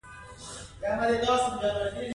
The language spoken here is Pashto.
بیا ځلي تولید په دوه ډوله دی